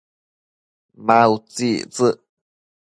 a utsictsec?